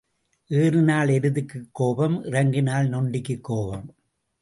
ஏறினால் எருதுக்குக் கோபம் இறங்கினால் நொண்டிக்குக் கோபம்.